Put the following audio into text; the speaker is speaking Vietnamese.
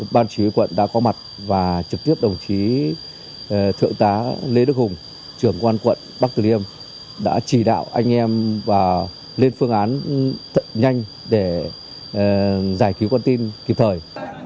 ban chỉ huy quận đã có mặt và trực tiếp đồng chí thượng tá lê đức hùng trưởng quan quận bắc tử liêm đã chỉ đạo anh em và lên phương án nhanh để giải cứu con tin kịp thời